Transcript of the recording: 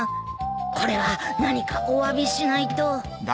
これは何かおわびしないと。